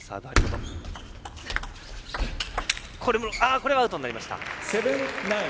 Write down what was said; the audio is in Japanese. これはアウトになりました。